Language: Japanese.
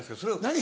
何？